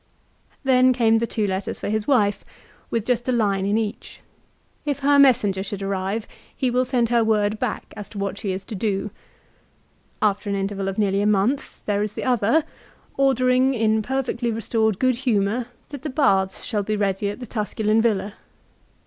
Then came the two letters for his wife, with just a line in each. If her messenger should arrive, he will send her word back as to what she is to do. After an interval of nearly a month there is the other, ordering, in perfectly restored good humour, that the baths shall be ready at the Tusculau villa.